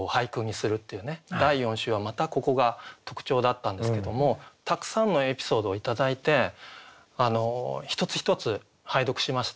第４週はまたここが特徴だったんですけどもたくさんのエピソードを頂いて一つ一つ拝読しました。